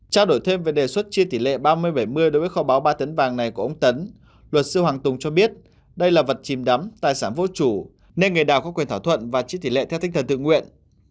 trao đổi thêm về đề xuất chia tỷ lệ ba mươi bảy mươi đối với kho báo ba tấn vàng này của ông tấn luật sư hoàng tùng cho biết đây là vật chìm đắm tài sản vô chủ nên người nào có quyền thỏa thuận và chia tỷ lệ theo tinh thần tự nguyện